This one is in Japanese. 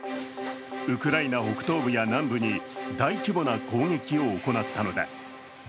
ウクライナ北東部や南部に大規模な攻撃を行ったのだ。